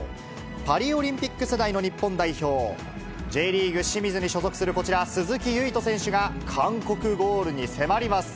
パリオリンピック世代の日本代表、Ｊリーグ・清水に所属するこちら、鈴木唯人選手が韓国ゴールに迫ります。